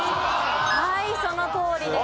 はいそのとおりです。